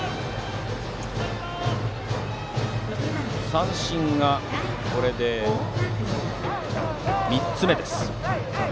三振がこれで３つ目です。